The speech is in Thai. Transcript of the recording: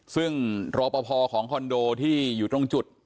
ซึ่งรอปภของคอนโดที่อยู่ตรงจุด